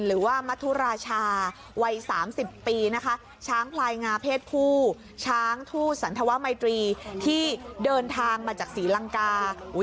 หรือว่ามัธุราชาวัย๓๐ปีนะคะช้างพลายงาเพศผู้ช้างทู่สันธวมัยตรีที่เดินทางมาจากศรีลังกา